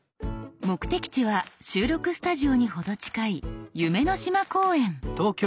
目的地は収録スタジオに程近い夢の島公園。